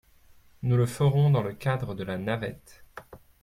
Nous le ferons dans le cadre de la navette.